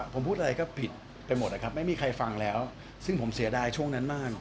ผมพูดอะไรก็ผิดไปหมดนะครับไม่มีใครฟังแล้วซึ่งผมเสียดายช่วงนั้นมาก